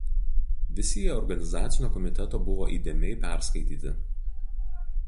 Visi jie organizacinio komiteto buvo įdėmiai perskaityti.